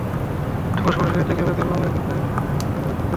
তখন সমুদ্রসৈকত থেকেই বেতার বাংলার পিকনিক আড্ডা সরাসরি রেডিওতে প্রচারিত হচ্ছিল।